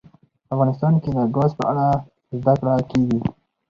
افغانستان کې د ګاز په اړه زده کړه کېږي.